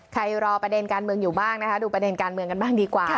รอประเด็นการเมืองอยู่บ้างนะคะดูประเด็นการเมืองกันบ้างดีกว่า